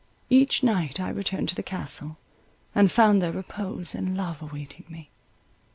Each night I returned to the Castle, and found there repose and love awaiting me.